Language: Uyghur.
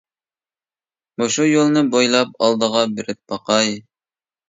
مۇشۇ يولنى بويلاپ ئالدىغا بېرىپ باقاي.